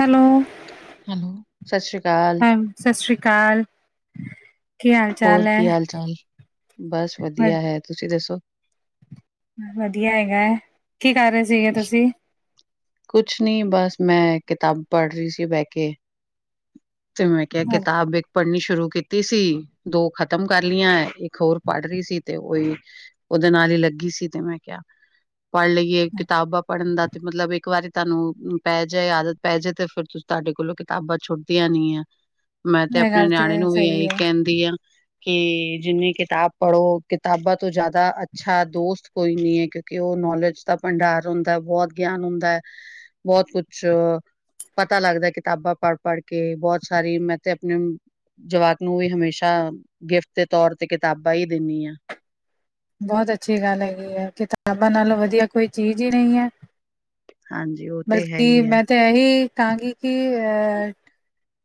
Hello- hello ਸਤਿ ਸ੍ਰੀ ਅਕਾਲ ਕਾਲ ਹੋਰ ਕੀ ਹਾਲ-ਚਾਲ? ਬਸ ਵਧ ਵਧੀਆ ਹੈ, ਤੁਸੀ ਦੱਸੋ? ਵਧੀਆ ਹੈਗਾ ਹੇ ਕੀ ਕਰ ਰਹੇ ਸੀ ਤੁਸੀ ਕੁਛ ਨਹੀ ਬਸ ਮੈਂ ਕਿਤਾਬ ਪੜ੍ਹ ਰਹੀ ਸੀ ਬੈਠ ਕੇ। ਚਲ ਮੈਂ ਕਿਹਾ ਹਾਂ, ਕਿਤਾਬ ਇੱਕ ਪੜ੍ਹਨੀ। ਸ਼ੁਰੂ ਕੀਤੀ ਸੀ, ਦੋ ਖਤਮ ਕਰ ਲਈਆਂ ਇੱਕ ਹੋਰ ਪੜ੍ਹ ਰਹੀ ਸੀ ਤੇ ਉਹੀ ਉਹਦੇ ਨਾਲ ਲੱਗੀ ਸੀ, ਤੇ ਮੈਂ ਕਿਹਾ ਪੜ੍ਹ ਲਈਏ ਕਿਤਾਬਾਂ ਪੜ੍ਹਨ ਦਾ ਤੇ ਮਤਲਬ ਇੱਕ ਇੱਕ ਵਾਰੀ ਤੁਹਾਨੂੰ ਪੈ ਜਾਏ ਆਦਤ ਪੈ ਜਾਏ, ਤੇ ਫਿਰ ਤੁਸੀਂ ਤੁਹਾਡੇ ਕੋਲੋਂ ਕਿਤਾਬਾਂ ਛੁੱਟਦੀਆਂ ਨਹੀ ਆ ਮੈਂ ਤੇ ਇਹ ਆਪਣੇ ਗੱਲ ਨਿਆਣੇ ਨੂੰ ਵੀ ਸਹੀ ਇਹੀ ਹੈ ਕਹਿੰਦੀ ਆ ਕਿ ਜਿੰਨੀ ਕਿਤਾਬ ਪੜ੍ਹੋ, ਕਿਤਾਬਾਂ ਤੋਂ ਜ਼ਿਆਦਾ ਅੱਛਾ ਦੋਸਤ ਕੋਈ ਨੀ ਹੈ ਕਿਉਂਕਿ ਉਹ ਨੌਲੇਜ ਦਾ ਭੰਡਾਰ ਹੁੰਦਾ ਬਹੁਤ ਗਿਆਨ ਹੁੰਦਾ ਹੈ, ਬਹੁਤ ਕੁਛ ਪਤਾ ਲੱਗਦਾ ਕਿਤਾਬਾਂ ਪੜ੍ਹ-ਪੜ੍ਹ ਕੇ ਬਹੁਤ ਸਾਰੀ, ਮੈਂ ਤੇ ਆਪਣੇ ਜਵਾਕ ਨੂੰ ਵੀ ਹਮੇਸ਼ਾ ਗਿਫਟ ਦੇ ਤੌਰ ਤੇ ਕਿਤਾਬਾਂ ਹੀ ਦਿੰਨੀ ਬਹੁਤ ਅੱਛੀ ਗੱਲ ਹੈਗੀ ਹੈ, ਕਿਤਾਬਾਂ ਨਾਲੋਂ ਵਧੀਆ ਕੋਈ ਚੀਜ਼ ਹੀ ਨਹੀਂ ਹੈ ਹਾਂਜੀ ਉਹ ਤੇ ਹੈ ਬਲਕਿ ਹੀ ਹੈ ਮੈਂ ਤਾਂ ਇਹੀ ਕਹਾਂਗੀ ਕਿ ਅਹ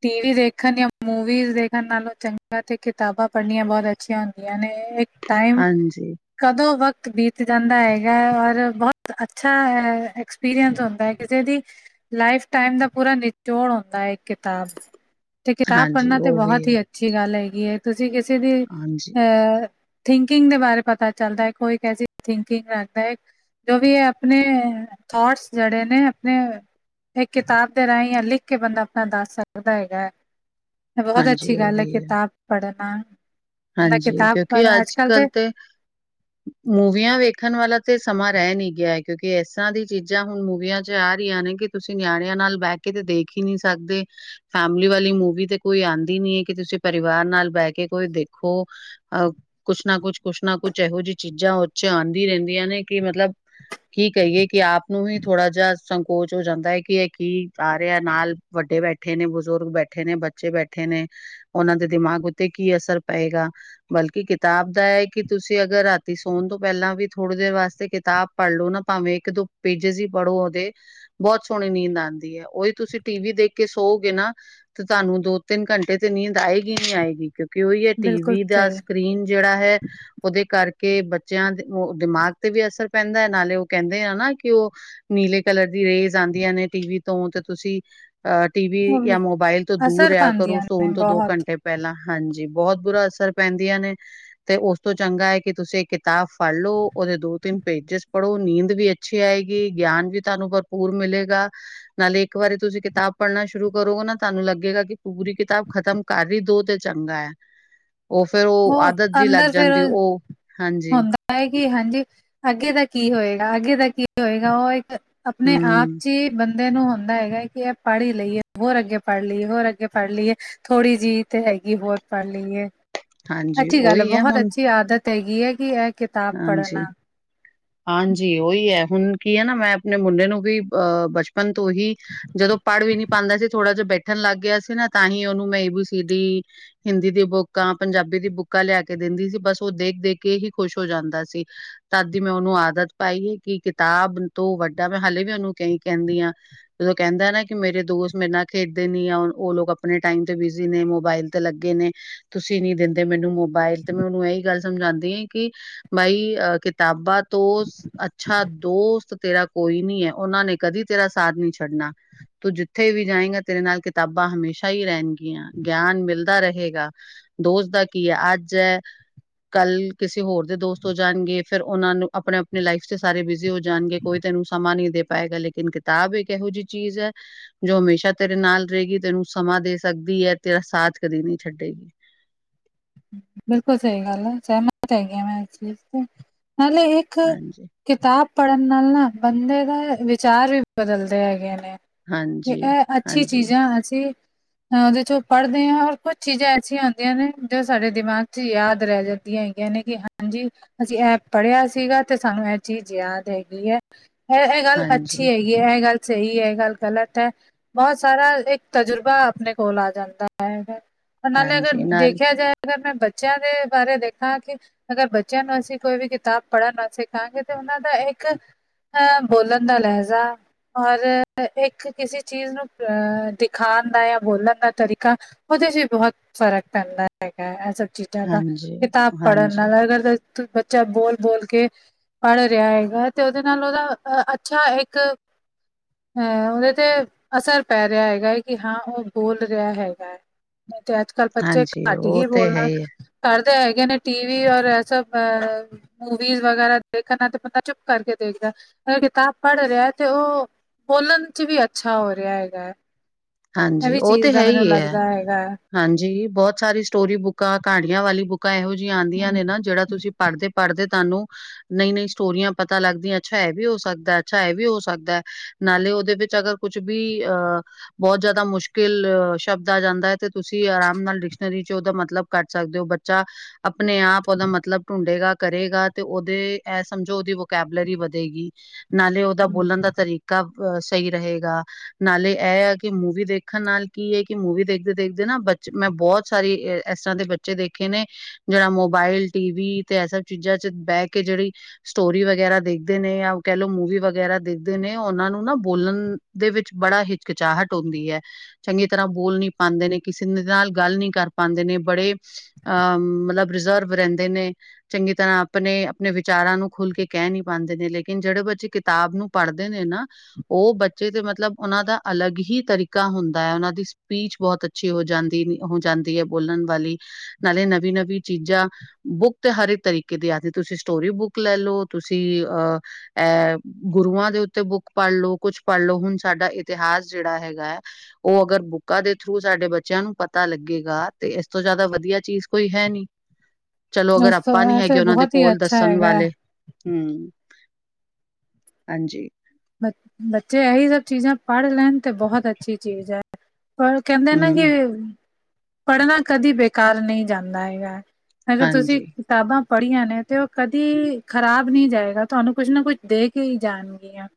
ਟੀ ਵੀ ਦੇਖਣ ਜਾਂ ਮੂਵੀਜ਼ ਦੇਖਣ, ਨਾਲੋਂ ਚੰਗਾ ਤੇ ਕਿਤਾਬਾਂ ਪੜ੍ਹਨੀਆਂ ਬਹੁਤ ਅੱਛੀਆਂ ਹੁੰਦੀਆਂ ਨੇ ਇੱਕ ਟਾਈਮ ਹਾਂਜੀ ਕਦੋਂ ਵਕਤ ਬੀਤ ਜਾਂਦਾ ਹੈਗਾ, ਔਰ ਬਹੁਤ ਅੱਛਾ ਐਕਸਪੀਰੀਅੰਸ ਹੁੰਦਾ ਹੈ ਕਿਸੇ ਲਾਈਫ ਟਾਈਮ ਦਾ ਪੂਰਾ ਨਿਚੋੜ ਹੁੰਦਾ ਹੈ, ਇੱਕ ਕਿਤਾਬ ਤੇ ਕਿਤਾਬ ਹਾਂਜੀ ਪੜ੍ਹਨਾ ਤਾਂ ਉਹ ਵੀ ਬਹੁਤ ਹੈ ਹੀ ਅੱਛੀ ਗੱਲ ਹੈਗੀ ਹੈ, ਤੁਸੀਂ ਕਿਸੇ ਦੀ ਹਾਂਜੀ ਅਹ ਥਿੰਕਿੰਗ ਦੇ ਬਾਰੇ ਪਤਾ ਚੱਲਦਾ ਹੈ, ਕੋਈ ਕੈਸੀ ਥਿੰਕਿੰਗ ਰੱਖਦਾ ਹੈ ਜੋ ਵੀ ਇਹ ਆਪਣੇ ਥੋਟਸ ਜਿਹੜੇ ਨੇ ਆਪਣੇ ਇਹ ਕਿਤਾਬ ਦੇ ਰਾਹੀਂ ਜਾਂ ਲਿਖ, ਕੇ ਬੰਦਾ ਆਪਣਾ ਦੱਸ ਸਕਦਾ ਹੈਗਾ ਹੈ ਬਹੁਤ ਹਾਂਜੀ ਅੱਛੀ ਉਹ ਗੱਲ ਹੈ, ਵੀ ਕਿਤਾਬ ਪੜ੍ਹਨਾ ਹਾਂਜੀ, ਕਿਉਂਕਿ ਅੱਜ ਕੱਲ ਤੇ ਮੂਵੀਆਂ ਵੇਖਣ ਵਾਲਾ ਤੇ ਸਮਾਂ ਰਹਿ ਨੀ ਗਿਆ, ਕਿਉਂਕਿ ਇਸ ਤ੍ਹਾਂ ਦੀ ਚੀਜ਼ਾਂ ਹੁਣ ਮੂਵੀਆਂ ਚ ਆ ਰਹੀਆਂ ਨੇ ਕਿ ਤੁਸੀਂ ਨਿਆਣਿਆਂ ਨਾਲ ਬਹਿ ਕੇ ਤੇ ਦੇਖ ਹੀ ਨਹੀ ਸਕਦੇ, ਫੈਮਿਲੀ ਵਾਲੀ ਮੂਵੀ ਤੇ ਕੋਈ ਆਉਂਦੀ ਨੀ ਹੈ ਤੁਸੀਂ ਪਰਿਵਾਰ ਨਾਲ ਬਹਿ ਕੇ ਕੋਈ ਖੋ ਅਹ ਕੁਛ ਨਾ ਕੁਛ-ਕੁਛ ਨਾ ਕੁਛ ਇਹੋ ਜਿਹੀ ਚੀਜ਼ਾਂ ਉਹ ਆਦੀ ਰਹਿੰਦੀਆਂ ਨੇ ਕਿ ਮਤਲਬ ਕੀ ਕਹੀਏ ਕਿ ਆਪ ਨੂੰ ਹੀ ਥੋੜਾ ਜਿਹਾ ਸੰਕੋਚ ਹੋ ਜਾਂਦਾ ਹੈ, ਕਿ ਇਹ ਕੀ ਆ ਰਿਹਾ ਨਾਲ ਵੱਡੇ ਵੱਡੇ ਬੈਠੇ ਨੇ ਬਜ਼ੁਰਗ ਬੈਠੇ ਨੇ ਬੱਚੇ ਬੈਠੇ ਨੇ ਉਹਨਾਂ ਦੇ ਦਿਮਾਗ ਉੱਤੇ ਕੀ ਅਸਰ ਪਏਗਾ ਬਲਕਿ ਕਿਤਾਬ ਦਾ ਇਹ ਕਿ ਤੁਸੀਂ ਅਗਰ ਰਾਤੀ ਸੌਣ ਤੋਂ ਪਹਿਲਾਂ ਵੀ ਥੋੜ੍ਹੀ ਦੇਰ ਵਾਸਤੇ ਕਿ ਕਿਤਾਬ ਪੜ੍ਹ ਲਵੋ ਨਾ, ਭਾਵੇਂ ਇੱਕ ਦੋ ਪੇਜਿਜ਼ ਹੀ ਪੜ੍ਹੋ ਉਹਦੇ, ਬਹੁਤ ਸੋਹਣੀ ਨੀਂਦ ਆਉਂਦੀ ਹੈ। ਓਹੀ ਤੁਸੀਂ ਟੀ ਵੀ ਦੇਖ ਕੇ ਸੋੋ ਗੇ ਨਾ, ਤੇ ਤੁਹਾਨੂੰ ਦੋ ਤਿੰਨ ਘੰਟੇ ਤੇ ਨੀਂਦ ਆਏਗੀ ਨੀ ਆਏਗੀ, ਕਿਉਂਕਿ ਉਹੀ ਹੈ ਟੀ ਬਿਲਕੁਲ ਵੀ ਦਾ, ਸਹੀ ਸਕਰੀਨ ਜਿਹੜਾ ਹੈ, ਉਹਦੇ ਕਰਕੇ ਕੇ ਬੱਚਿਆਂ ਦੇ ਦਿਮਾਗ ਤੇ ਵੀ ਅਸਰ ਪੈਂਦਾ ਹੈ ਨਾਲੇ ਉਹ ਕਹਿੰਦੇ ਆ ਨਾ ਕਿ ਉਹ ਨੀਲੇ ਕਲਰ ਦੀ ਰੇਜ, ਆਉਂਦੀਆਂ ਨੇ ਟੀ ਵੀ ਤੋਂ ਤੇ ਤੁਸੀਂ ਐ ਟੀ ਵੀ, ਹੋਵੇ ਜਾਂ ਮੋਬਾਇਲ, ਤੋਂ ਦੂਰ ਅਸਰ ਰਿਹਾ ਕਰੋ। ਪਾਉਂਦੀਆਂ ਨੇ ਸੋਣ ਤੋਂ ਦੋ ਬਹੁਤ ਘੰਟੇ ਪਹਿਲਾਂ, ਹਾਂਜੀ ਬਹੁਤ ਬੁਰਾ ਅਸਰ, ਪੈਂਦੀਆਂ ਨੇ ਤੇ ਉਸ ਤੋਂ ਚੰਗਾ ਹੈ ਕਿ, ਤੁਸੀਂ ਇੱਕ ਕਿਤਾਬ ਫੜ ਲੋ, ਓਦੇ ਦੋ ਤਿੰਨ ਪੇਜ ਜੇ [inaudible] ਪੜ੍ਹੋ ਨੀਂਦ ਵੀ ਅੱਛੀ ਆਏਗੀ ਗਿਆਨ ਵੀ ਤੁਹਾਨੂੰ ਭਰਪੂਰ ਮਿਲੇਗਾ ਨਾਲੇ ਇੱਕ ਵਾਰੀ ਤੁਸੀ ਕਿਤਾਬ ਪੜ੍ਹਨਾ ਸ਼ੁਰੂ ਕਰੋਗੇ ਨਾ, ਤੁਹਾਨੂੰ ਲੱਗੇਗਾ ਕਿ ਪੂਰੀ ਕਿਤਾਬ, ਖ਼ਤਮ ਕਰ ਹੀ ਦੂ ਤੇ ਚੰਗਾ ਹੈ ਉਹ ਫੇਰ ਉਹ ਔ, ਆਦਤ ਜੀ ਲੱਗ ਅੰਦਰ ਫੇਿਰ? ਜਾਂਦੀ ਉਹ ਹਾਂਜੀ, ਹੁੰਦਾ ਹੈ, ਕਿ ਹਾਂਜੀ ਅੱਗੇ ਦਾ ਕੀ ਹੋਏ? ਅੱਗੇ ਦਾ ਕੀ ਹੋਏਗਾ, ਉਹ ਇੱਕ ਆਪਣੇ ਆਪ ਹੂੰ, ਚ ਹੀ ਬੰ ਬੰਦੇ ਨੂੰ ਹੁੰਦਾ ਹੈਗਾ ਕਿ ਇਹ ਪੜ੍ਹੀ ਲਈਏ ਹੋਰ ਅੱਗੇ ਪੜ੍ਹ ਲਈਏ ਹੋਰ ਅੱਗੇ ਪੜ੍ਹ ਲਈਏ ਥੋੜ੍ਹੀ ਜਿਹੀ ਤੇ [unintelligible] ਅਸੀਂ, ਹੋਰ ਪੜ੍ਹ ਲਈਏ, ਹਾਂਜੀ ਅੱਛੀ ਗੱਲ ਹੈ, ਉਹੀ ਬਹੁਤ ਹੁਣ ਅੱਛੀ ਆਦਤ ਤੇ ਹੈਗੀ ਹੈ ਕਿ, ਐ ਕਿਤਾਬ ਹਾਂਜੀ। ਪੜ੍ਹਨਾ ਹਾਂਜੀ, ਓਹੀ ਹੈ ਹੁਣ ਕੀ ਹੈ ਨਾ ਮੈਂ ਆਪਣੇ ਮੁੰਡੇ ਨੂੰ ਵੀ, ਅਹ ਬਚਪਨ ਤੋਂ ਹੀ, ਜਦੋਂ ਪੜ੍ਹ ਵੀ ਨੀ ਪਾਉਂਦਾ ਸੀ। ਥੋੜਾ ਜਿਹਾ ਬੈਠਣ ਲੱਗ ਗਿਆ ਸੀ ਨਾ, ਤਾਂ ਹੀ ਉਹਨੂੰ ਮੈਂ A B C D, Hindi ਦੀ ਬੁੱਕਾਂ, ਪੰਜਾਬੀ ਦੀ ਬੁੱਕਾਂ, ਲਿਆ ਕੇ ਤੇ ਦਿੰਦੀ ਸੀ ਬਸ, ਉਹ ਦੇਖ ਦੇਖ ਕੇ ਹੀ ਖੁਸ਼ ਔ ਜਾਂਦਾ ਸੀ, ਤਦ ਦੀ ਮੈਂ ਉਹਨੂੰ ਆਦਤ ਪਾਈ ਹੈ ਕਿ ਕਿਤਾਬ ਤੋਂ ਵੱਡਾ ਮੈਂ ਹਾਲੇ ਵੀ ਉਹਨੂੰ ਕਈ ਕਹਿੰਨੀ ਆ, ਜਦੋਂ ਕਹਿੰਦਾ ਨਾ ਕਿ ਮੇਰੇ ਦੋਸਤ ਮੇਰੇ ਨਾਲ ਖੇਡਦੇ ਨਈ ਆ ਉਹ ਲੋਕ ਆਪਣੇ ਟਾਈਮ ਤੇ, ਬਿਜ਼ੀ ਨੇ ਮੋਬਾਇਲ ਤੇ ਲੱਗੇ ਨੇ, ਤੁਸੀਂ ਨਈ ਦਿੰਦੇ ਮੈਨੂੰ ਮੋਬਾਇਲ, ਤੇ ਮੈਂ ਉਹਨੂੰ ਇਹੀ ਗੱਲ ਸਮਝਾਉਂਦੀ ਆ ਕਿ ਬਾਈ, ਅਹ ਕਿਤਾਬਾਂ ਤੋਂ, ਅੱਛਾ ਦੋਸਤ ਤੇਰਾ ਕੋਈ ਨੀ ਹੈ ਉਹਨਾਂ ਨੇ ਕਦੀ ਤੇਰਾ ਸਾਥ ਨਹੀਂ ਛੱਡਣਾ ਤੂੰ ਜਿੱਥੇ ਵੀ ਜਾਏਗਾ ਤੇਰੇ ਨਾਲ ਕਿਤਾਬਾਂ ਅਸੀਸਾਂ, ਹਮੇਸਾ ਹੀ ਰਹਿਣਗੀਆਂ, ਗਿਆਨ ਮਿਲਦਾ ਰਹੇਗਾ, ਦੋਸਤ ਦਾ ਕੀ ਹੈ ਅੱਜ ਕੱਲ ਕਿਸੇ? ਹੋਰ ਦੇ ਦੋਸਤ ਹੋ ਜਾਣਗੇ, ਫਿਰ ਉਹਨਾਂ ਨੂੰ ਆਪਣੇ ਆਪਣੇ ਲਾਈਫ ਚ ਸਾਰੇ ਬੀਜੀ ਹੋ ਜਾਣਗੇ, ਕੋਈ ਤੈਨੂੰ ਸਮਾਂ ਨੀ ਦੇ ਪੜਨਾ ਪਏਗਾ, ਲੇਕਿਨ ਕਿਤਾਬ ਇੱਕ ਇਹੋ ਜਿਹੀ ਚੀਜ਼ ਹੈ, ਜੋ ਹਮੇਸ਼ਾ ਤੇਰੇ ਨਾਲ ਰਹੇਗੀ, ਤੈਨੂੰ ਸਮਾਂ ਦੇ ਸਕਦੀ ਕੀ ਹੈ ਤੇਰਾ ਸਾਥ ਕਦੀ ਨਹੀ ਛੱਡੇਗੀ? ਬਿਲਕੁਲ, ਸਹੀ ਗੱਲ ਹੈ ਮੈ ਸਹਿਮਤ ਹੈ ਗੀ, ਇਸ ਚੀਜ਼ ਤੇ ਨਾਲੇ, ਇੱਕ ਹਾਂਜੀ ਕਿਤਾਬ ਪੜ੍ਹਨ ਨਾਲ ਨਾ, ਬੰਦੇ ਦਾ ਵਿਕ ਵਿਚਾਰ, ਵੀ ਬਦਲਦੇ ਹੈਗੇ ਨੇ, ਕਿ ਹਾਂਜੀ ਐ ਅੱਛੀ ਹਾਂਜੀ ਚੀਜ਼ਾਂ ਅਸੀਂ ਉਹਦੇ ਚ ਪੜ੍ਹਦੇ ਹਾਂ, ਔਰ ਕੁੱਛ ਚੀਜ਼ਾਂ ਐਸੀਆਂ ਹੁੰਂਦੀਆਂ ਨੇ ਜੋ ਸਾਡੇ ਦਿਮਾਗ ਚ ਯਾਦ ਰਹਿ ਜਾਂਦੀਆਂ ਹੈਗੀਆਂ ਨੇ, ਕਿ ਹਾਂਜੀ, ਅਸੀਂ ਐ ਪੜ੍ਹਿਆ ਹੈਗਾ ਸੀ। ਸਾਨੂੰ ਅ ਇਹ ਚੀਜ਼ ਯਾਦ ਹੈਗੀ ਹੈ, ਇ ਇਹ ਗੱਲ ਹਾਂਜੀ ਅੱਛੀ ਹੈਗੀ ਹੈ। ਇਹ ਗੱਲ ਸਹੀ ਹੈ, ਗੱਲ ਐ ਗ਼ਲਤ ਹੈ, ਬਹੁਤ ਸਾਰਾ ਇੱਕ ਤਜੁਰਬਾ, ਆਪਣੇ ਕੋਲ ਆ ਜਾਂਦਾ ਹੈ ਪ੍ਰ, ਨਾਲੇ ਅਗਰ ਹਾਂਜੀ ਨਾਲ ਦੇਖ ਅਗਰ ਮੈਂ ਬੱਚਿਆਂ ਦੇ ਬਾਰੇ ਦੇਖਾਂ ਕਿ ਅਗਰ ਬੱਚਿਆਂ ਨੂੰ ਅਸੀਂ ਕੋਈ ਵੀ ਕਿਤਾਬ ਪੜ੍ਹਨ ਨਾ ਸਿੱਖਾਂਗੇ ਤਾਂ [unintelligible] ਉਹਨਾਂ ਦਾ, ਇੱਕ ਅ ਬੋਲਣ ਦਾ ਲਹਿਜਾ ਔਰ ਇੱਕ ਕਿਸੇ ਚੀਜ਼ ਨੂੰ ਅ ਦਿਖਾਉਣ ਦਾ ਜਾਂ ਬੋਲਣ ਦਾ ਤਰੀਕਾ [inaudible] ਤੇ ਜੀ, ਬਹੁਤ ਫ਼ਰਕ ਪੈਂਦਾ ਹੈਗਾ, ਇਹ ਸਭ ਚੀਜ਼ਾਂ ਦਾ ਹਾਂਜੀ, ਕਿਤਾਬ ਪੜ੍ਹਨ ਨਾ ਹਾਂਜੀ, ਅਗਰ ਬੱਚਾ ਬੋਲ ਬੋਲ ਕੇ ਪੜ੍ਹ ਰਿਹਾ ਹੈਗਾ, ਤੇ ਉਹਦੇ ਨਾਲ ਉਹਦਾ ਅ ਅੱਛਾ, ਇੱਕ ਅਹ, ਉਹਦੇ ਤੇ ਅਸਰ ਪੈ ਰਿਹਾ ਹੈਗਾ ਹੈ ਕਿ, ਹਾਂ ਉਹ ਬੋਲ ਰਿਹਾ ਹੈਗਾ। ਤੇ ਅੱਜ ਕੱਲ੍ਹ ਬੱਚੇ ਹਾਂਜੀ ਘੱਟ ਉਹ ਹੀ ਤੇ ਹੈ ਬੋਲਣਾ, ਹੀ ਹੈ, ਘੱਟ ਕਰਦੇ ਹੈਗੇ ਨੇ, ਟੀ ਵੀ ਔਰ ਇਹ ਸਭ ਮੂਵੀਜ਼ ਵਗੈਰਾ ਦੇਖਣਾ ਤੇ, ਬੰਦਾ ਚੁੱਪ ਕਰਕੇ ਦੇਖ, ਇਦਾ ਕਿਤਾਬ ਪੜ੍ਹ ਰਿਹਾ ਹੈ ਤੇ ਉਹ ਬੋਲਣ ਚ ਵੀ ਅੱਛਾ ਹੋ ਰਿਹਾ ਹੈਗਾ ਹੈ [inaudible] ਇਹ ਹਾਂਜੀ, ਵੀ ਉਹ ਤੇ ਚੀਜ਼ ਦਾ ਹੈ, ਹੀ ਮੈਨੂੰ ਹ। ਲੱਗਦਾ ਹੈਗਾ ਹੈ ਹਾਂਜੀ, [inaudible] ਬਹੁਤ ਸਾਰੀ ਸਟੋਰੀ ਬੁੱਕਾਂ ਕਹਾਣੀਆਂ ਵਾਲੀ ਬੁੱਕ ਬੁੱਕਾਂ, ਇਹੋ ਜਿਹੀਆਂ ਆਉਂਦੀਆਂ ਹਮ ਨੇ ਨਾ, ਜਿਹੜਾ ਤੁਸੀਂ ਪੜ੍ਹਦੇ ਪੜ੍ਹਦੇ ਤੁਹਾਨੂੰ ਨਹੀਂ ਨਹੀਂ ਸਟੋਰੀਆਂ ਪਤਾ ਲੱਗਦੀਆਂ ਅੱਛਾ ਇਹ ਵੀ ਹੋ ਸਕਦਾ ਅੱਛਾ ਇਹ ਵੀ ਹੋ ਸਕਦਾ ਨਾਲੇ ਉਹਦੇ ਵਿੱਚ ਅਗਰ ਕੁੱਛ ਵੀ ਅਹ ਬਹੁਤ ਜ਼ਿਆਦਾ ਮੁਸ਼ਕਿਲ ਸ਼ਬਦ ਆ ਜਾਂਦਾ ਹੈ ਤੇ ਤੁਸੀਂ ਆਰਾਮ ਨਾਲ ਡਿਕਸ਼ਨਰੀ ਚ ਉਹਦਾ ਮਤਲਬ ਕੱਢ ਸਕਦੇ ਹੋ ਬੱਚਾ ਆਪਣੇ ਆਪ ਉਹਦਾ ਮਤਲਬ ਢੂੰਡੇਗਾ ਕਰੇਗਾ ਤੇ ਉਹਦੇ ਇਹ ਸਮਝੋ ਉਹਦੀ ਵੋਕੈਬਲਰੀ ਵਧੇਗੀ ਨਾਲੇ ਉਹਦਾ ਹਮ ਬੋਲਣ ਦਾ ਤਰੀਕਾ ਅ ਸਹੀ ਰਹੇਗਾ ਨਾਲੇ ਇਹ ਆ ਕਿ ਮੂਵੀ ਦੇਖਣ ਨਾਲ ਕੀ ਹੈ ਕਿ ਮੂਵੀ ਦੇਖਦੇ ਦੇਖਦੇ ਨਾ ਬੱਚੇ ਮੈਂ ਬਹੁਤ ਸਾਰੀ ਇਸ ਤਰ੍ਹਾਂ ਦੇ ਬੱਚੇ ਦੇਖੇ ਨੇ ਜਿਹੜਾ ਮੋਬਾਇਲ ਟੀਵੀ ਤੇ ਇਹ ਸਭ ਚੀਜ਼ਾਂ ਚ ਬਹਿ ਕੇ ਜਿਹੜੀ ਸਟੋਰੀ ਵਗੈਰਾ ਦੇ ਦੇ ਨੇ ਯਾ ਕਹਿ ਲਓ ਮੂਵੀ ਵਗੈਰਾ ਦੇਖਦੇ ਨੇ ਉਹਨਾਂ ਨੂੰ ਨਾ ਬੋਲਣ ਦੇ ਵਿੱਚ ਬੜਾ ਹਿਚਕਿਚਾਹਟ ਧੁੰਦੀ ਹੈ ਚੰਗੀ ਤਰ੍ਹਾਂ ਬੋਲ ਨੀ ਪਾਉਂਦੇ ਨੇ ਕਿਸੇ ਦੇ ਨਾਲ ਗੱਲ ਨੀ ਕਰ ਪਾਉਂਦੇ ਨੇ ਬੜੇ ਅ ਮਤਲਬ ਰਿਜ਼ਰਵ ਰਹਿੰਦੇ ਨੇ ਚੰਗੀ ਤਰ੍ਹਾਂ ਆਪਣੇ ਆਪਣੇ ਵਿਚਾਰਾਂ ਨੂੰ ਖੁੱਲ ਕੇ ਕਹਿ ਨਹੀਂ ਪਾਉਂਦੇ ਨੇ ਲੇਕਿਨ ਜਿਹੜੇ ਬੱਚੇ ਕਿਤਾਬ ਨੂੰ ਪੜ੍ਹਦੇ ਨੇ ਨਾ ਉਹ ਬੱਚੇ ਤੇ ਮਤਲਬ ਉਹਨਾਂ ਦਾ ਅਲੱਗ ਹੀ ਤਰੀਕਾ ਹੁੰਦਾ ਹੈ ਉਹਨਾਂ ਦੀ ਸੁਪਰੀਮ ਬਹੁਤ ਅੱਛੀ ਹੋ ਜਾਂਦੀ ਹੋ ਜਾਂਦੀ ਹੈ ਬੋਲਣ ਵਾਲੀ ਨਾਲੇ ਨਵੀਂ ਨਵੀਂ ਚੀਜ਼ਾਂ ਬੁੱਕ ਤੇ ਹਰ ਇੱਕ ਤਰੀਕੇ ਦੀ ਆਦੀ ਤੁਸੀਂ ਸਟੋਰੀ ਬੁੱਕ ਲੈ ਲਓ ਤੁਸੀਂ ਅ ਅ ਐ ਗੁਰੂਆਂ ਦੇ ਉੱਤੇ ਬੁੱਕ ਪੜ੍ਹ ਲੋ ਕੁੱਛ ਪੜ੍ਹ ਲਓ ਹੁਣ ਸਾਡਾ ਇਤਿਹਾਸ ਜਿਹੜਾ ਹੈਗਾ ਦੈ ਉਹ ਅਗਰ ਬੁੱਕਾਂ ਦੇ ਥਰੂ ਸਾਡੇ ਬੱਚਿਆਂ ਨੂੰ ਪਤਾ ਲੱਗੇਗਾ ਤੇ ਇਸ ਤੋਂ ਜ਼ਿਆਦਾ ਵਧੀਆ ਚੀਜ਼ ਕੋਈ ਕੋਈ ਹੈ ਨੀ ਚਲੋ ਅਗਰ ਉਸ ਤੋਂ ਆਪਾਂ ਨੀ ਇਹ ਤੇ ਹੈਗੇ ਉਹਨਾਂ ਦੇ ਬਹੁਤ ਹੀ ਕੋਲ ਅੱਛਾ ਦੱਸਣ ਹੈਗਾ ਹੈ। ਵਾਲੇ ਹਮ ਹਾਂਜੀ ਬ ਬੱਚੇ ਇਹੀ ਸਭ ਚੀਜ਼ਾਂ ਪੜ੍ਹ ਲੈਣ ਤੇ ਬਹੁਤ ਅੱਛੀ ਚੀਜ਼ ਹੈ। ਪਰ ਕਹਿੰਦੇ ਨਾ ਹਮ ਕਿ ਪੜ੍ਹਨਾ ਕਦੀ ਬੇਕਾਰ ਨਹੀਂ ਜਾਂਦਾ ਹੈਗਾ ਅਗਰ ਤੁਸੀਂ ਹਾਂਜੀ ਕਿਤਾਬਾਂ ਪੜੀਆਂ ਨੇ ਤੇ ਉਹ ਕਦੀ ਖ਼ਰਾਬ ਨਹੀਂ ਜਾਏਗਾ ਤੁਹਾਨੂੰ ਕੁਛ ਨਾ ਕੁਛ ਦੇ ਕੇ ਹੀ ਜਾਣਗੀਆਂ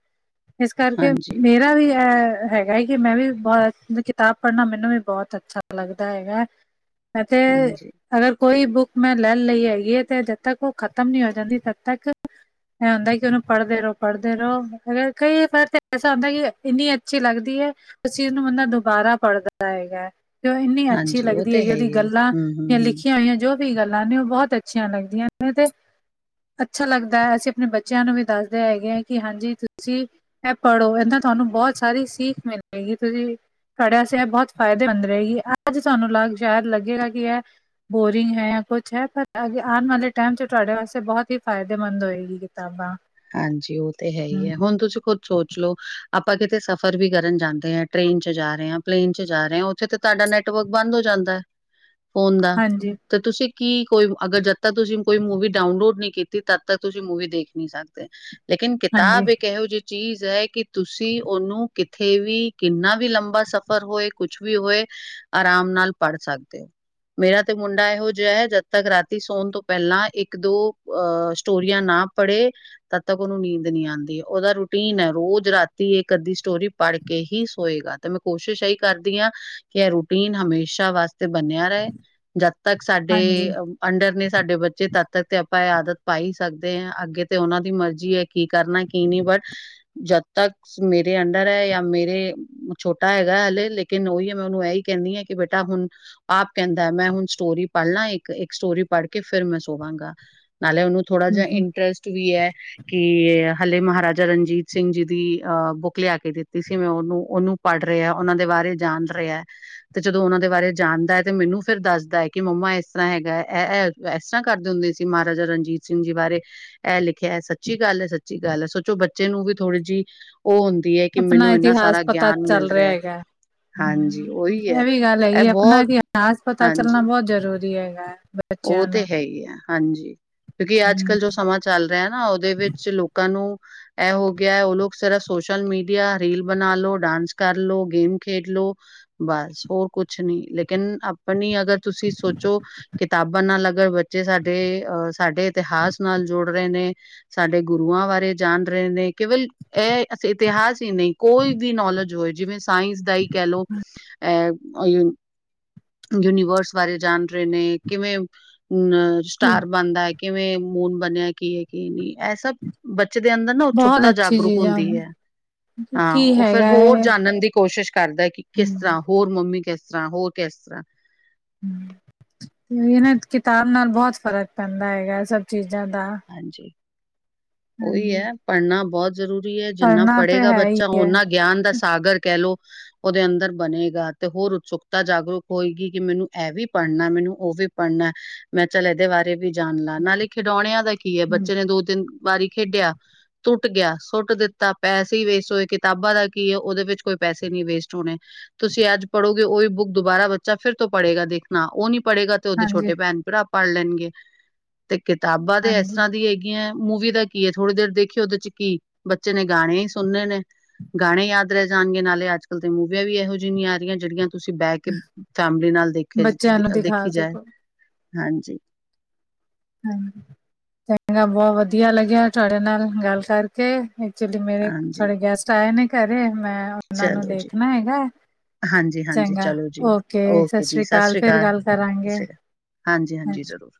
ਇਸ ਕਰਕੇ ਹਾਂਜੀ ਮੇਰਾ ਵੀ ਹੈ ਹੈਗਾ ਹੈ ਕਿ ਮੈਂ ਵੀ ਬਹੁਤ ਕਿਤਾਬ ਪੜ੍ਹਨਾ ਮੈਨੂੰ ਵੀ ਬਹੁਤ ਅੱਛਾ ਲੱਗਦਾ ਹੈਗਾ ਐਤੇ ਹਾਂਜੀ ਅਗਰ ਕੋਈ ਬੁੱਕ ਮੈਂ ਲੈ ਲਈ ਹੈਗੀ ਤੇ ਜਦ ਤੱਕ ਉਹ ਖ਼ਤਮ ਨੀ ਹੋ ਜਾਂਦੀ ਤਦ ਤੱਕ ਇਹ ਹੁੰਦਾ ਕਿ ਉਹਨੂੰ ਪੜ੍ਹਦੇ ਰਹੋ ਪੜ੍ਹਦੇ ਰਹੋ ਅ ਕਈ ਵਾਰ ਤਾਂ ਐਸਾ ਹੁੰਦਾ ਕਿ ਇੰਨੀ ਅੱਛੀ ਲੱਗਦੀ ਹੈ ਉਸ ਚੀਜ਼ ਨੂੰ ਬੰਦਾ ਦੁਬਾਰਾ ਪੜ੍ਹਦਾ ਹੈਗਾ ਇੰਨੀ ਅੱਛੀ ਹਾਂਜੀ, ਉਹ ਲੱਗਦੀ ਤੇ ਹੈ ਉਹਦੀ ਹੀ ਗੱਲਾਂ ਹੂੰ, ਹੂੰ, ਜਾਂ ਹੂੰ। ਲਿਖੀਆਂ ਹੋਈਆਂ ਜੋ ਵੀ ਗੱਲਾਂ ਨੇ ਉਹ ਬਹੁਤ ਅੱਛੀਆਂ ਲੱਗਦੀਆਂ ਨੇ ਤੇ ਅੱਛਾ ਲੱਗਦਾ ਹੈ ਅਸੀਂ ਆਪਣੇ ਬੱਚਿਆਂ ਨੂੰ ਵੀ ਦੱਸਦੇ ਹੈਗੇ ਹੈ ਕਿ ਹਾਂਜੀ ਤੁਸੀਂ ਇਹ ਪੜ੍ਹੋ ਇਹਦਾ ਤੁਹਾਨੂੰ ਬਹੁਤ ਸਾਰੀ ਸੀਿੱਖ ਮਿਲੇਗੀ ਤੁਸੀਂ ਸਾੜਿਆਸ ਇਹ ਬਹੁਤ ਫਾਇਦੇਮੰਦ ਰਹੇਗੀ ਅੱਜ ਤੁਹਾਨੂੰ ਲੱਗ ਸ਼ਾਇਦ ਲੱਗੇਗਾ ਕਿ ਇਹ ਬੋਰਿੰਗ ਹੈ ਜਾਂ ਕੁਛ ਹੈ ਪਰ ਅ ਆਉਣ ਵਾਲੇ ਟਾਈਮ ਤੁਹਾਡੇ ਵਾਸਤੇ ਬਹੁਤ ਹੀ ਫਾਇਦੇਮੰਦ ਹੋਏਗੀ ਕਿਤਾਬਾਂ ਹਾਂਜੀ ਉਹ ਤੇ ਹੈ ਹੀ ਹਮ, ਹੈ ਹੁਣ ਤੁਸੀਂ ਖੁਦ ਸੋਚ ਲਓ ਆਪਾਂ ਕਿਤੇ ਸਫ਼ਰ ਵੀ ਕਰਨ ਜਾਂਦੇ ਹਾਂ ਟ੍ਰੇਨ ਚ ਜਾ ਰਹੇ ਹਾਂ ਪਲੇਨ ਚ ਜਾ ਰਹੇ ਹਾਂ ਉੱਥੇ ਤੇ ਤੁਹਾਡਾ ਨੈਟਵਰਕ ਬੰਦ ਹੋ ਜਾਂਦਾ ਫੋਨ ਦਾ ਹਾਂਜੀ ਤੇ ਤੁਸੀਂ ਕਿ ਕੋਈ ਅਗਰ ਜਦ ਤੱਕ ਤੁਸੀਂ ਕੋਈ ਮੂਵੀ ਡਾਊਨਲੋਡ ਨਹੀਂ ਕੀਤੀ ਤਦ ਤੱਕ ਤੁਸੀਂ ਮੂਵੀ ਦੇਖ ਨੀ ਸਕਦੇ ਲੇਕਨ ਹਾਂਜੀ ਕਿਤਾਬ ਇੱਕਹੋ ਜਿ ਚੀਜ਼ ਹੈ ਕਿ ਤੁਸੀਂ ਉਹਨੂੰ ਕਿੱਥੇ ਵੀ ਕਿੰਨਾ ਵੀ ਲੰਬਾ ਸਫ਼ਰ ਹੋਏ ਕੁਛ ਵੀ ਹੋਏ ਆਰਾਮ ਨਾਲ ਪੜ੍ਹ ਸਕਦੇ ਹੋ ਮੇਰਾ ਤੇ ਮੁੰਡਾ ਇਹੋ ਜਿਹਾ ਹੈ ਜਦ ਤੱਕ ਰਾਤੀ ਸੋਣ ਤੋਂ ਪਹਿਲਾਂ ਇੱਕ ਦੋ ਅ ਸਟੋਰੀਆਂ ਨਾਲ ਨਾ ਪੜੇ ਤਦ ਤੱਕ ਉਹਨੂੰ ਨੀਂਦ ਨਹੀਂ ਆਉਂਦੀ ਉਹਦਾ ਰੂਟੀਨ ਹੈ ਰੋਜ਼ ਰਾਤੀ ਇਹ ਅੱਧੀ ਸਟੋਰੀ ਪੜ੍ਹ ਕੇ ਹੀ ਸੋਏਗਾ ਤੇ ਮੈਂ ਕੋਸ਼ਿਸ਼ ਇਹੀ ਕਰਦੀ ਹਾਂ ਕਿ ਇਹ ਰੂਟੀਨ ਹਮੇਸ਼ਾ ਵਾਸਤੇ ਬਣਿਆ ਰਹੇ ਜਦ ਤੱਕ ਸਾਡੇ ਹਾਂਜੀ ਅੰਡਰ ਨੇ ਸਾਡੇ ਬੱਚੇ ਤਦ ਤੱਕ ਤੇ ਆਪਾਂ ਇਹ ਆਦਤ ਪਾਈ ਸਕਦੇ ਆ ਅੱਗੇ ਤੇ ਉਹਨਾਂ ਦੇ ਮਰਜ਼ੀ ਹੈ ਕੀ ਕਰਨਾ ਕੀ ਨਹੀਂ ਬਟ ਜਦ ਤੱਕ ਮੇਰੇ ਅੰਡਰ ਹੈ ਜਾਂ ਮੇਰੇ ਛੋਟਾ ਹੈਗਾ ਹਲੇ ਲੇਕਿਨ ਉਹੀ ਮੈਂ ਉਹਨੂੰ ਇਹੀ ਕਹਿੰਦੀ ਹਾਂ ਕਿ ਬੇਟਾ ਹੁਣ ਆਪ ਕਹਿੰਦਾ ਮੈਂ ਹੁਣ ਸਟੋਰੀ ਪੜ੍ਹਨਾ ਇੱਕ ਇੱਕ ਸਟੋਰੀ ਪੜ੍ਹ ਕੇ ਫਿਰ ਮੈਂ ਸੋਵਾਂਗਾ ਨਾਲੇ ਉਹਨੂੰ ਥੋੜਾ ਹਮ ਜਹਾ ਹਮ ਇੰਟਰਸਟ ਵੀ ਹੈ ਕਿ ਹਲੇ ਮਹਾਰਾਜਾ ਰਣਜੀਤ ਸਿੰਘ ਜੀ ਦੀ ਅਹ ਬੁੱਕ ਲਿਆ ਕੇ ਦਿੱਤੀ ਸੀ ਮੈਂ ਉਹਨੂੰ ਉਹਨੂੰ ਪੜ ਰਿਹਾ ਉਹਨਾਂ ਦੇ ਬਾਰੇ ਜਾਣ ਰਿਹਾ ਤੇ ਜਦੋਂ ਉਹਨਾਂ ਦੇ ਬਾਰੇ ਜਾਣਦਾ ਹੈ ਤੇ ਮੈਨੂੰ ਫਿਰ ਦੱਸਦਾ ਕਿ ਮੰਮਾ ਇਸ ਤਰ੍ਹਾਂ ਹੈਗਾ ਇਹ ਇਸ ਤਰ੍ਹਾਂ ਕਰਦੇ ਹੁੰਦੇ ਸੀ ਮਹਾਰਾਜਾ ਰਣਜੀਤ ਸਿੰਘ ਜੀ ਬਾਰੇ ਇਹ ਲਿਖ ਖਿਆ ਸੱਚੀ ਗੱਲ ਹੈ ਸੱਚੀ ਗੱਲ ਹੈ ਸੋਚੋ ਬੱਚੇ ਨੂੰ ਵੀ ਥੋੜ੍ਹੀ ਜਿਹੀ ਉਹ ਹੁੰਦੀ ਹੈ ਕਿ ਆਪਣਾ ਮੈਨੂੰ ਇੰਨਾ ਇਤਿਹਾਸ ਸਾਰਾ ਪਤਾ ਗਿਆਨ ਮਿਲ ਚੱਲ ਰਿਹਾ ਹੈ। ਹੈਗਾ ਹਾਂਜੀ ਹਮ ਉਹੀ ਹੈ ਇਹ ਵੀ ਗੱਲ ਇਹ ਹੈਗੀ ਆਪਣਾ ਬਹੁਤ ਹਸ ਪਤ ਚੱਲਣਾ ਹਾਂਜੀ ਬਹੁਤ ਜਰੂਰੀ ਹੈਗਾ ਉਹ ਬੱਚਿਆਂ ਤੇ ਨੂੰ ਹੈ ਹੀ ਹੈ ਹਾਂਜੀ ਕਿਉਂਕਿ ਅੱਜ ਕੱਲ ਹਮ, ਜੋ ਸਮਾਂ ਚੱਲ ਰਿਹਾ ਨਾ ਉਹਦੇ ਵਿੱਚ ਲੋਕਾਂ ਨੂੰ ਇਹ ਹੋ ਗਿਆ ਉਹ ਲੋਕ ਸਿਰਫ ਸੋਸ਼ਲ ਮੀਡੀਆ ਰੀਲ ਬਣਾ ਲੋੋ ਡਾਂਸ ਕਰ ਲੋ ਗੇਮ ਖੇਡ ਲੋੋ ਬਸ ਹੋਰ ਕੁਛ ਨੀ ਲੇਕਿਨ ਆਪਣੀ ਅਗਰ ਤੁਸੀਂ ਸੋਚੋ ਰਾਬ ਨਾਲ ਲੱਗਣ ਬੱਚੇ ਸਾਡੇ ਅ ਸਾਡੇ ਇਤਿਹਾਸ ਨਾਲ ਜੁੜ ਰਹੇ ਨੇ ਸਾਡੇ ਗੁਰੂਆਂ ਬਾਰੇ ਜਾਣ ਰਹੇ ਨੇ ਕੇਵਲ ਇਹ ਇਤਿਹਾਸ ਹੀ ਨਹੀਂ ਕੋਈ ਵੀ ਨੌਲੇਜ ਹੋਏ ਜਿਵੇਂ ਸਾਇੰਸ ਦਾ ਹੀ ਕਹਿ ਲਓ ਅ ਯੂਨੀਵਰਸ ਬਾਰੇ ਜਾਣ ਰਹੇ ਨੇ ਕਿਵੇਂ ਅਮ ਸਟਾਰ ਬਣਦਾ ਹੈ ਕਿਵੇਂ ਮੂਨ ਬਣਿਆ ਕੀ ਹੈ ਕੀ ਨਹੀਂ ਇਹ ਸਭ ਬੱਚੇ ਦੇ ਅੰਦਰ ਨਾ ਬਹੁਤ ਉਤਸੁਕਤਾ ਅੱਛੀ ਜਾਗਰੂਕ ਚੀਜ਼ਾਂ ਹੁੰਦੀ ਹੈ ਹਾਂ ਕੀ ਉਹ ਫੇਿਰ ਹੈਗਾ ਹੋਰ ਹੈ ਜਾਣਨ ਦੀ ਕੋਸ਼ਿਸ਼ ਕਰਦਾ ਕਿ ਕਿਸ ਹਮ ਤਰ੍ਹਾਂ ਹੋਰ ਮੰਮੀ ਕਿਸ ਤਰ੍ਹਾਂ ਹੋਰ ਕਿਸ ਤਰ੍ਹਾਂ ਤੇ ਇਹ ਨਾ ਕਿਤਾਬ ਨਾਲ ਬਹੁਤ ਫ਼ਰਕ ਪੈਂਦਾ ਹੈਗਾ ਸਭ ਚੀਜ਼ ਜ਼ਿਆਦਾ ਹਾਂਜੀ ਉਹੀ ਹੈ ਪੜ੍ਹਨਾ ਬਹੁਤ ਜ਼ਰੂਰੀ ਹੈ ਜਿੰਨਾ ਪੜ੍ਹਨਾ ਤੇ ਪੜ੍ਹੇਗਾ ਹੈ ਹੀ ਬੱਚਾ ਹੈ ਉਹਨਾ ਗਿਆਨ ਦਾ ਸਾਗਰ ਕਹਿ ਲੋ ਉਹਦੇ ਅੰਦਰ ਬਣੇਗਾ ਤੇ ਹੋਰ ਉਤਸੁਕਤਾ ਜਾਗਰੂਕ ਹੋਏਗੀ ਕਿ ਮੈਨੂੰ ਇਹ ਵੀ ਪੜ੍ਹਨਾ ਮੈਨੂੰ ਉਹ ਵੀ ਵੀ ਪੜ੍ਹਨਾ ਮੈਂ ਚੱਲ ਇਹਦੇ ਬਾਰੇ ਵੀ ਜਾਣ ਲ ਨਾਲੇ ਖਿਡੌਣਿਆਂ ਦਾ ਕੀ ਹੈ ਬੱਚੇ ਨੇ ਦੋ ਤਿੰਨ ਵਾਰੀ ਖੇਡਿਆ ਟੁੱਟ ਗਿਆ ਸੁੱਟ ਦਿੱਤਾ ਪੈਸੇ ਹੀ ਵੇਸਟ ਹੋਏ ਕਿਤਾਬਾਂ ਦਾ ਕੀ ਹੈ ਉਹਦੇ ਵਿੱਚ ਕੋਈ ਪੈਸੇ ਨਹੀਂੀ ਵੇਸਟ ਹੋਣੇ ਤੁਸੀਂ ਅੱਜ ਪੜ੍ਹੋਗੇ ਉਹੀ ਬੁੱਕ ਦੁਬਾਰਾ ਬੱਚਾ ਫਿਰ ਤੋਂ ਪੜ੍ਹੇਗਾ ਦੇਖਣਾ ਉਹ ਨੀ ਪੜ੍ਹੇਗਾ ਤੇ ਉਹਦੇ ਛੋਟੇ ਹਾਂਜੀ ਭੈਣ ਭਰਾ ਪੜ੍ਹ ਲੈਣਗੇ ਤੇ ਕਿਤਾਬਾਂ ਦੇ ਐਸੀ ਹਾਂਜੀ ਹੈ ਗੀਆਂ ਮੂਵੀ ਦਾ ਕੀ ਹੈ? ਥੋੜ੍ਹੀ ਦੇਰ ਦੇਖਿਓ, ਉਹਦੇ ਚ ਕੀ ਬੱਚੇ ਨੇ ਗਾਣੇ ਹੀ ਸੁਣੇ ਨੇ। ਗਾਣੇ ਯਾਦ ਰਹਿ ਜਾਣਗੇ। ਨਾਲੇ ਅੱਜ ਕੱਲ ਤੇ ਮੂਵੀਆਂ ਵੀ ਇਹੋ ਜਿਹੀਆ ਨਹੀਂ ਆ ਰਹੀਆਂ ਜਿਹੜੀਆਂ ਤੁਸੀਂ ਬਹਿ ਕੇ ਫੈਮਿਲੀ ਨਾਲ ਦੇਖੇ ਬੱਚਿਆਂ ਨੂੰ ਦਿਖਾ ਦੇਖੀ ਜਾਏ। ਸਕੋ ਹਾਂਜੀ। ਹ ਚੰਗਾ। ਬਹੁਤ ਵਧੀਆ ਲੱਗਿਆ ਤੁਹਾਡੇ ਨਾਲ ਗੱਲ ਕਰਕੇ। ਐਚੁਲੀ ਮੇਰੇ ਹਾਂਜੀ ਥੋੜੇ ਗੈਸਟ ਆਏ ਨੇ ਘਰੇ। ਮੈਂ ਉਹਨਾਂ ਨੂੰ ਚਲੋ ਜੀ ਦੇਖਣਾ ਹੈਗਾ। ਹਾਂਜੀ ਹਾਂਜੀ ਚੰਗਾ। ਚਲੋ ਜੀ ਓ, ਕੇ ਸਤਿ ਓਕੇ ਜੀ ਸ੍ਰੀ ਅਕਾਲ ਸ਼੍ਰੀ ਫਿਰ ਗੱਲ ਸਤਿ ਕਰਾਂਗੇ। ਸ਼੍ਰੀ ਅਕਾਲ ਹਾਂਜੀ -ਹਾਂਜੀ ਜ਼ਰੂਰ